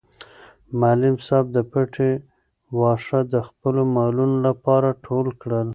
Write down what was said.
معلم صاحب د پټي واښه د خپلو مالونو لپاره ټول کړل.